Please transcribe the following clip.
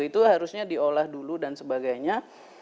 itu harusnya diolah dulu dan sebagainya